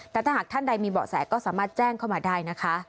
แต่ถ้าหากท่านใดมีเบาะแสก็สามารถแจ้งเข้ามาได้นะคะ